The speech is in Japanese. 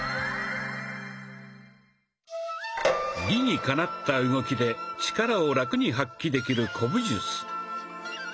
理にかなった動きで力をラクに発揮できる古武術。